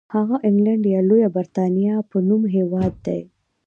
هغه انګلنډ یا لویه برېټانیا په نوم هېواد دی.